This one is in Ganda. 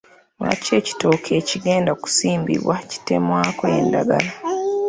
Lwaki ekitooke ekigenda okusimbibwa kitemwako endagala?